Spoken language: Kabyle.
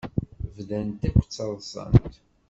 Bdant akk ttaḍsant.